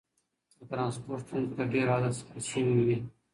د ترانسپورت ستونزي تر ډيره حده حل سوي وې.